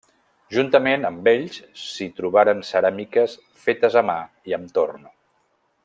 Juntament amb ells s'hi trobaren ceràmiques fetes a mà i amb torn.